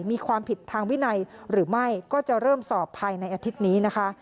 มีความผิดทางวินัยหรือไม่ก็จะเริ่มสอบภายในอาทิตย์นี้นะคะ